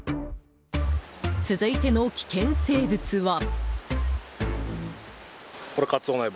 続いての危険生物は。